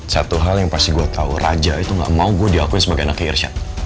satu hal yang pasti gue tau raja itu gak mau gue diakui sebagai anak ke irsya